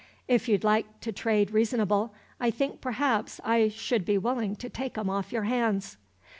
If you'd like to trade reasonable, I think perhaps I should be willin' to take 'em off your hands.